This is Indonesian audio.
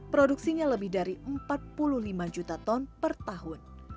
produksinya lebih dari empat puluh lima juta ton per tahun